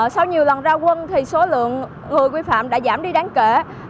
sau nhiều lần ra quân thì số lượng người quy phạm đã giảm đi đáng kể